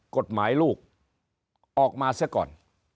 กฎหมายลูกออกมาเสียก่อน